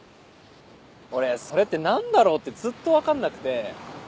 俺それって何だろう？ってずっと分かんなくて。